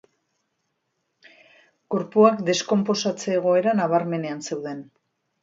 Gorpuak deskonposatze-egoera nabarmenean zeuden.